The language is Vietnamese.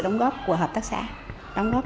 đóng góp của hợp tác xã đóng góp